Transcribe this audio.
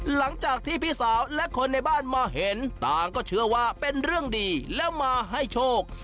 หลังจากที่พี่สาวและคนในบ้านมาเห็นต่างก็เชื่อว่าเป็นเรื่องดีแล้วมาให้โชค